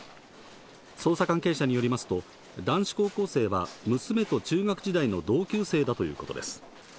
捜査関係者によりますと男子高校生は娘と中学時代の同級生だということです。